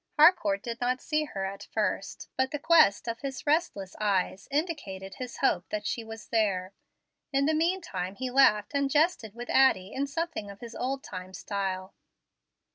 Harcourt did not see her at first, but the quest of his restless eyes indicated his hope that she was there. In the mean time he laughed and jested with Addie in something of his old time style.